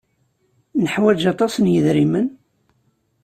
Neḥwaj aṭas n yidrimen?